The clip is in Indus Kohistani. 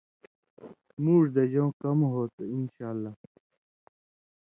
مُوڙ دژؤں کم ہوتُھو۔ انشاءاللہ